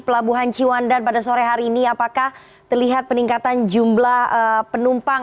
di pelabuhan ciwan dan pada sore hari ini apakah terlihat peningkatan jumlah penumpang